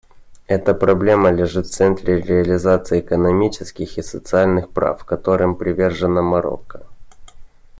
Эта проблема лежит в центре реализации экономических и социальных прав, которым привержено Марокко.